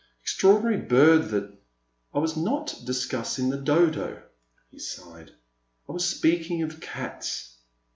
Extraordinary bird that "*' I was not discussing the Dodo," he sighed — I was speaking of cats."